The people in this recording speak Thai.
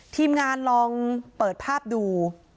ทีมงานลองเปิดภาพดู